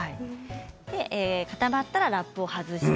固まったらラップを外して。